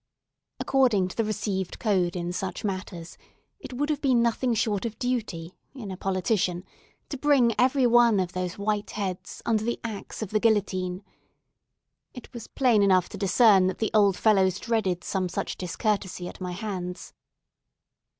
According to the received code in such matters, it would have been nothing short of duty, in a politician, to bring every one of those white heads under the axe of the guillotine. It was plain enough to discern that the old fellows dreaded some such discourtesy at my hands.